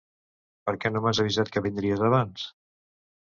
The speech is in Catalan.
Per què no m'has avisat que vindries abans?